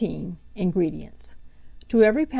INGREDIENTS. To every lb.